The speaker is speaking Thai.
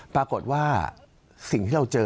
ปรากฏว่าสิ่งที่เราเจอ